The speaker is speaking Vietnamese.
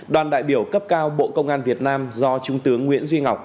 đoàn đại biểu cấp cao bộ công an việt nam do trung tướng nguyễn duy ngọc